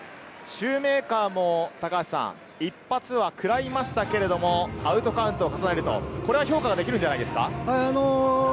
シューメーカーも一発は食らいましたけれども、アウトカウントを加えると、これは評価できるんじゃないですか？